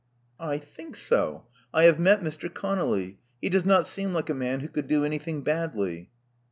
'* I think so. I have met Mr. Conolly. He does not seem like a man who could do anything badly."